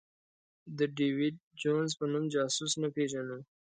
د ډېویډ جونز په نوم جاسوس نه پېژنو.